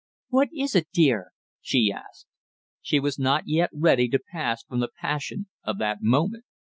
"What is it, dear?" she asked. She was not yet ready to pass from the passion of that moment.